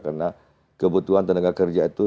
karena kebutuhan tenaga kerja itu